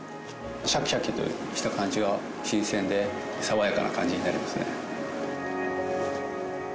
シャキシャキとした感じが新鮮で爽やかな感じになりますね。